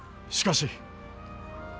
しかし。